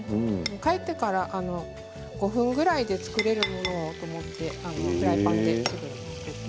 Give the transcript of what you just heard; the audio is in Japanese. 帰ってから５分ぐらいで作れるものを、と思ってフライパンで作ります。